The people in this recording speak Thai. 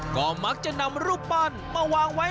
ก็มักจะนำรูปปั้นมาวางไว้